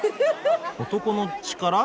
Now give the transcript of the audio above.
男の力？